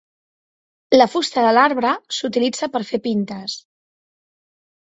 La fusta de l'arbre s'utilitza per fer pintes.